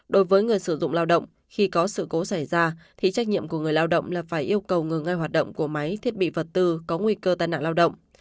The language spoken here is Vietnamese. đối với người sử dụng lao động khi có sự cố xảy ra thì trách nhiệm của người lao động là phải yêu cầu ngừng ngay hoạt động của máy thiết bị vật tư có nguy cơ tai nạn lao động